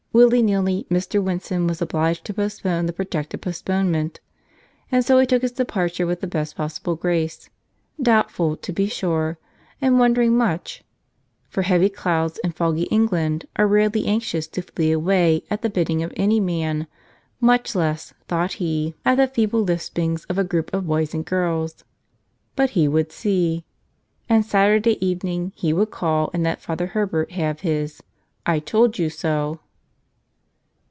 Willy nilly Mr. Winson was obliged to postpone the projected postponement. And so he took his departure with the best possible grace, doubt¬ ful, to be sure, and wondering much; for heavy clouds in foggy England are rarely anxious to flee away at the bidding of any man, much less, thought he, at the 31 " Tell Us Another!" feeble lispings of a group of boys and girls. But he would see. And Saturday evening he would call and let Father Herbert have his "'I told you so